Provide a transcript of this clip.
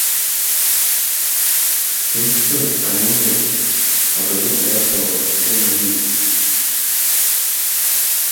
Səm fə anə mod abələ ngul atɔbɔ e vom ayi.